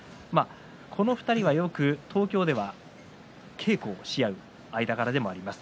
この２人はよく東京では稽古をし合う間柄でもあります。